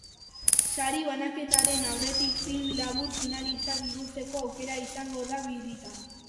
Sari banaketaren aurretik film labur finalistak ikusteko aukera izango da birritan.